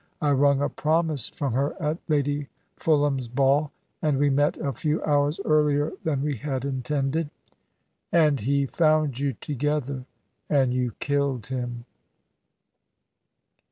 I wrung a promise from her at Lady Fulham's ball; and we met a few hours earlier than we had intended." "And he found you together, and you killed him?"